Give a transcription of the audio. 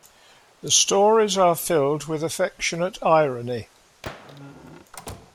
The stories are filled with affectionate irony.